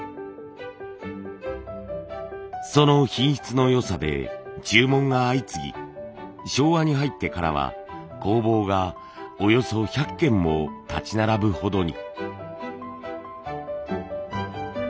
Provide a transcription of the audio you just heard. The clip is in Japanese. その品質の良さで注文が相次ぎ昭和に入ってからは工房がおよそ１００軒も立ち並ぶほどに。